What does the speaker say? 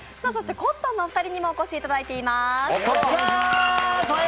コットンのお二人にもお越しいただいています。